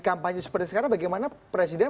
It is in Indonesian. kampanye seperti sekarang bagaimana presiden